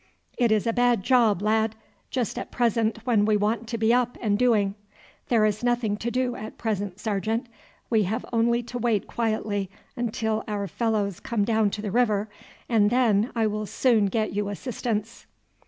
"It is a bad job, lad; just at present when we want to be up and doing." "There is nothing to do at present, sergeant. We have only to wait quietly until our fellows come down to the river, and then I will soon get you assistance."